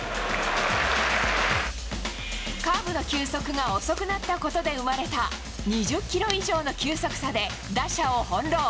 カーブの球速が遅くなったことで生まれた２０キロ以上の球速差で打者を翻弄。